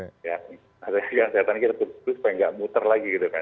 rantai lingkaran setannya kita putus supaya gak muter lagi gitu kan